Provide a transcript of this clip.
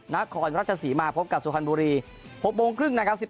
นครราชสีมาพบกับสุพรรณบุรี๖โมงครึ่งนะครับ